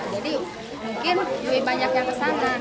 jadi mungkin lebih banyak yang ke sana